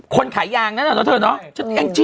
คนขายยางนั้นหรอเธอเนอะ